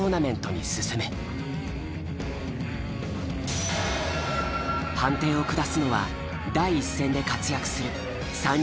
判定を下すのは第一線で活躍する３人の歌人だ。